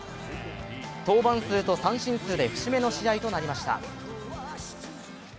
登板数と三振数で節目の試合となりました。